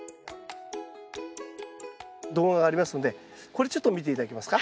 動画がありますのでこれちょっと見て頂けますか？